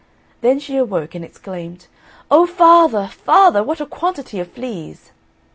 Then she awoke and exclaimed, "Oh, father, father, what a quantity of fleas!"